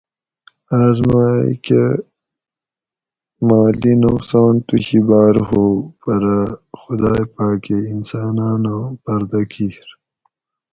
آس مائ کہ مالی نقصان توشی بار ھو پرہ خدائ پاۤکہ انساناناں پردہ کِیر